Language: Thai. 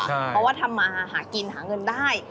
เพราะว่าทำมาหากินหาเงินได้